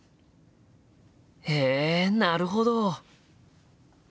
へえなるほど！